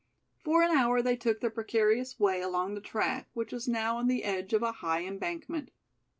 For an hour they took their precarious way along the track, which was now on the edge of a high embankment.